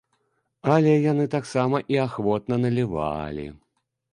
Але яны таксама і ахвотна налівалі.